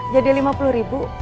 jadi lima puluh ribu